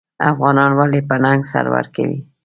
افغانان ولې په ننګ سر ورکوي؟